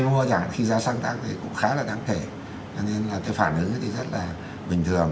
khi mua nhà khi giá xăng tăng thì cũng khá là đáng kể cho nên là cái phản ứng thì rất là bình thường